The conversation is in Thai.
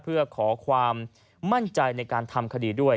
เพื่อขอความมั่นใจในการทำคดีด้วย